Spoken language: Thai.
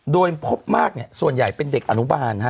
โดยพบมากเนี่ยส่วนใหญ่เป็นเด็กอนุบาลฮะ